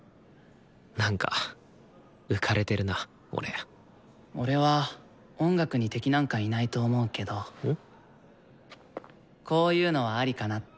なんか浮かれてるな俺俺は音楽に敵なんかいないと思うけどこういうのはアリかなって。